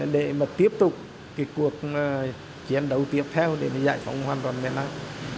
để mà tiếp tục cái cuộc chiến đấu tiếp theo để giải phóng hoàn toàn miền nam